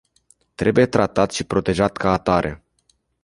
Trebuie tratat și protejat ca atare.